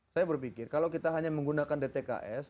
saya berpikir kalau kita hanya menggunakan dtks